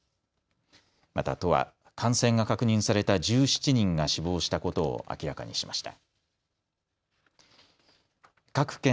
また都は感染が確認された１７人が死亡したことを明らかにしました。